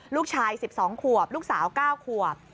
ลูกชาย๑๒ขวบลูกสาว๙ขวบ